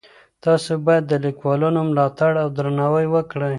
تاسو بايد د ليکوالانو ملاتړ او درناوی وکړئ.